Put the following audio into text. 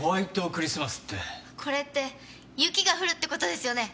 これって雪が降るって事ですよね？